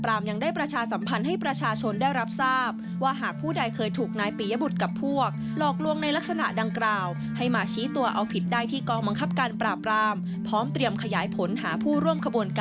เราจะทำให้เราปลอดภัยมากขึ้น